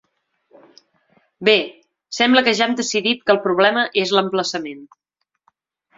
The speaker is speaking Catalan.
Bé, sembla que ja hem decidit que el problema és l’emplaçament.